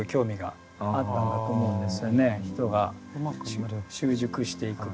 人が習熟していくとか。